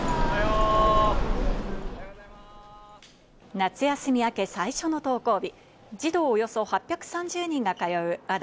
夏休み明け最初の登校日、児童およそ８３０人が通う足立